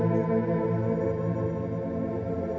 tidak ada yang bisa dikira